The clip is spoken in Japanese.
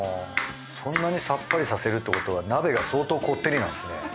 そんなにさっぱりさせるってことは鍋が相当こってりなんですね。